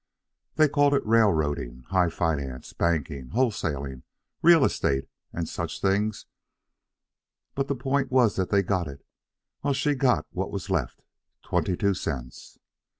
They called it railroading, high finance, banking, wholesaling, real estate, and such things, but the point was that they got it, while she got what was left, twenty two cents.